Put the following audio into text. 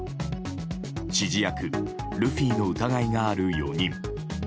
指示役ルフィの疑いがある４人。